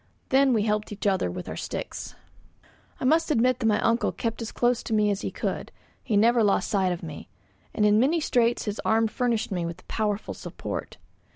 Then we helped each other with our sticks. I must admit that my uncle kept as close to me as he could; he never lost sight of me, and in many straits his arm furnished me with a powerful support.